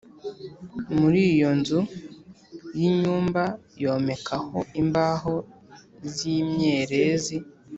Muri iyo nzu y’inyumba yomekaho imbaho z’imyerezi